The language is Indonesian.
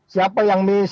siapa yang miss